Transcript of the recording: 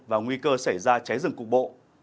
và nguy cơ xảy ra cháy rừng cục bộ